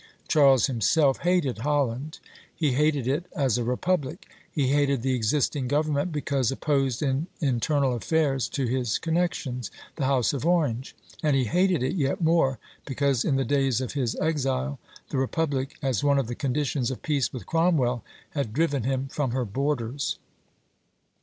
Charles himself hated Holland; he hated it as a republic; he hated the existing government because opposed in internal affairs to his connections, the House of Orange; and he hated it yet more because in the days of his exile, the republic, as one of the conditions of peace with Cromwell, had driven him from her borders.